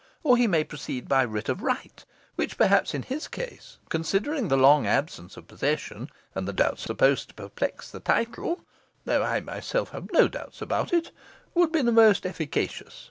Or he may proceed by writ of right, which perhaps, in his case, considering the long absence of possession, and the doubts supposed to perplex the title though I myself have no doubts about it would be the most efficacious.